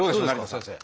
先生。